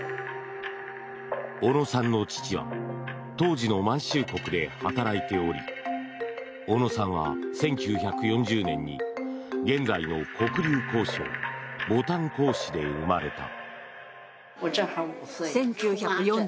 小野さんの父は当時の満州国で働いており小野さんは１９４０年に現在の黒竜江省牡丹江市で生まれた。